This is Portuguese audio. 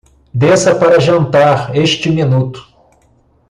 Desça para jantar este minuto.